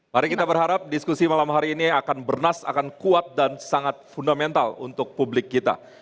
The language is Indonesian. mari kita berharap diskusi malam hari ini akan bernas akan kuat dan sangat fundamental untuk publik kita